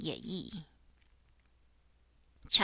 CHAP.